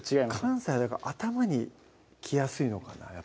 関西頭にきやすいのかな？